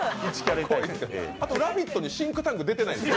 あと「ラヴィット！」にシンクタンク出てないです。